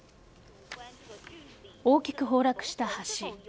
大きく崩落した橋。